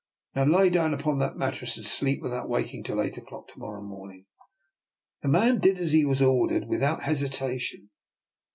" Now lie down upon that mattress, and sleep without waking until eight o'clock to morrow morning." The man did as he was ordered without hesitation.